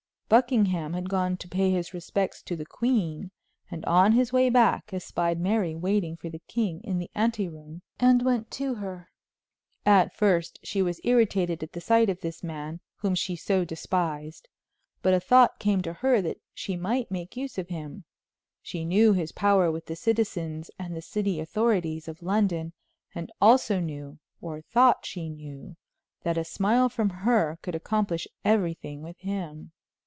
Buckingham had gone to pay his respects to the queen, and on his way back espied Mary waiting for the king in the ante room, and went to her. At first she was irritated at the sight of this man, whom she so despised, but a thought came to her that she might make use of him. She knew his power with the citizens and city authorities of London, and also knew, or thought she knew, that a smile from her could accomplish everything with him.